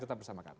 tetap bersama kami